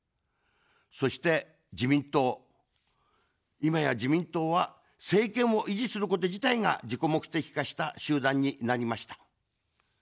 そして自民党、今や自民党は政権を維持すること自体が自己目的化した集団になりました。